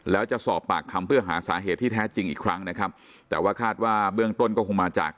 แล้วจะสอบปากคำเพื่อหาสาเหตุที่แท้จริงอีกครั้งนะครับแต่ว่าคาดว่าเบื้องต้นก็คงมาจาก